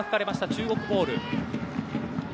中国ボール。